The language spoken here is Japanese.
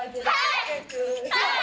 はい！